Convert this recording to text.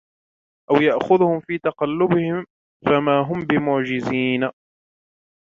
أَوْ يَأْخُذَهُمْ فِي تَقَلُّبِهِمْ فَمَا هُمْ بِمُعْجِزِينَ